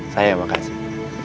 saya yang makasih